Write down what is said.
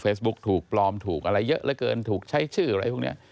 พอเฟซบุ๊คถูกปลอมถูกอะไรเยอะเยอะเยอะอะไรเกินถูกใช้ชื่ออะไรพวกนี้